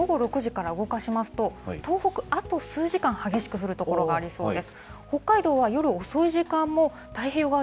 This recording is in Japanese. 午後６時から動かしますと、東北、あと数時間、激しく降る所がありそうです。